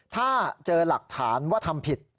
ถ้าเจอหลักฐานว่าทำผิด